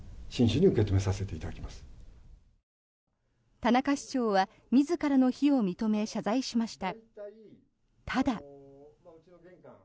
田中市長は自らの非を認め謝罪しました。